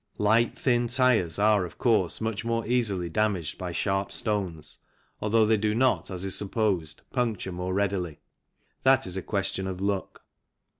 Light, thin tyres are, of course, much more easily damaged by sharp stones, although they do not, as is supposed, puncture more readily; that is a question of luck.